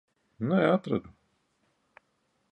Nē, atradu.